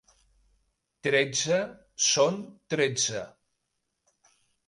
Tretze són tretze.